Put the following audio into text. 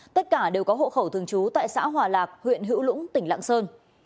tất cả đều có hộ khẩu thường trú tại xã hòa lạc huyện hữu lũng tỉnh lạng sơn